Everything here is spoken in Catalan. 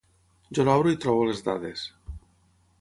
Jo l'obro i trobo les dades